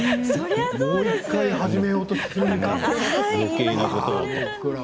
もう１回始めようとするからね。